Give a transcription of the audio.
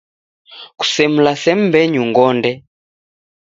Kusemlase mbenyu ngonde!